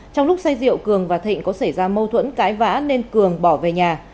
trong lúc say rượu cường và thịnh có xảy ra mâu thuẫn cãi vã nên cường bỏ về nhà